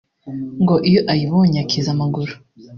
ngo iyo ayibonye akiza amaguru